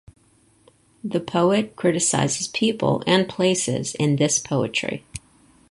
The poet criticizes people and places in this poetry.